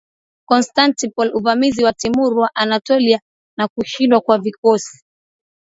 Constantinople Uvamizi wa Timur wa Anatolia na kushindwa kwa vikosi